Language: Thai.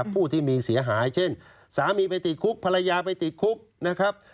ผู้ที่มีเสียหายเช่นสามีไปติดคุกภรรยาไปติดคุกนะครับ